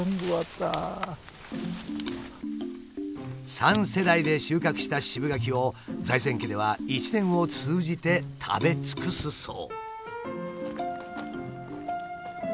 ３世代で収穫した渋柿を財前家では一年を通じて食べ尽くすそう。